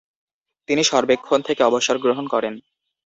তিনি সর্বেক্ষণ থেকে অবসর গ্রহণ করেন।